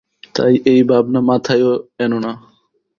তাই এই ভাবনা মাথায়ও এনো না।